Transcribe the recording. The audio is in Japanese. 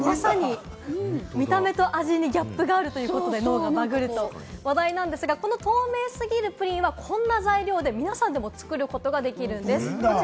見た目と味にギャップがあるということで、脳がバグると話題ですが、この透明すぎるプリンはこんな材料で皆さんでも作ることができるんです。